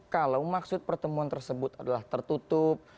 kalau maksud pertemuan tersebut adalah tertutup